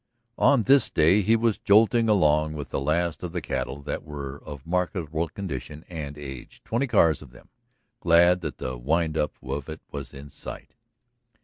On this day he was jolting along with the last of the cattle that were of marketable condition and age, twenty cars of them, glad that the wind up of it was in sight.